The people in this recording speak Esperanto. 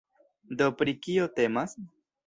Do pri kio temas?